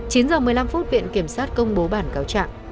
chín h một mươi năm phút viện kiểm sát công bố bản cáo trạng